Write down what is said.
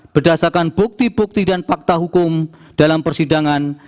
berdasarkan bukti bukti dan fakta hukum dalam persidangan